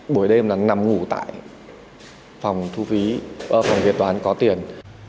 buổi đêm là nằm ngủ tại phòng việt toán có tiền